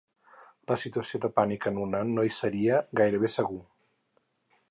La situació de pànic en una no hi seria gairebé segur.